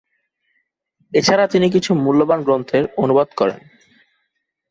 এছাড়া তিনি কিছু মূল্যবান গ্রন্থের অনুবাদ করেন।